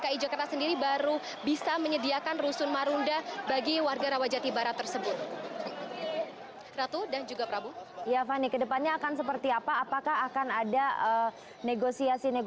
saya juga berhasil mengasumkan bahwa ini memang berupakan tindakan penggusuran